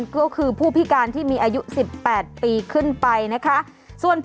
ใช้เมียได้ตลอด